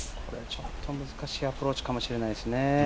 ちょっと難しいアプローチかもしれないですね。